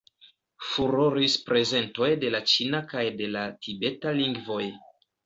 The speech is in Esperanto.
Furoris prezentoj de la ĉina kaj de la tibeta lingvoj.